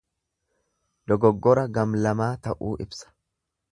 Dogoggora gam lamaa ta'uu ibsa.